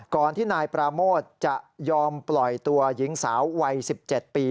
ก่อนที่นายปราโมทจะยอมปล่อยตัวหญิงสาววัย๑๗ปี